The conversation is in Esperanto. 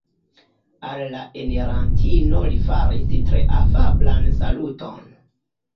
Al la enirantino li faris tre afablan saluton.